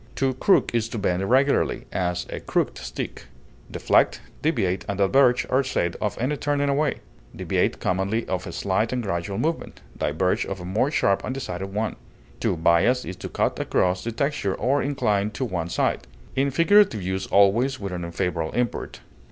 To crook is to bend irregularly, as a crooked stick. Deflect, deviate, and diverge are said of any turning away; deviate commonly of a slight and gradual movement, diverge of a more sharp and decided one. To bias is to cut across the texture, or incline to one side; in figurative use always with an unfavorable import.